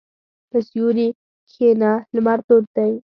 په سیوري کښېنه، لمر تود دی.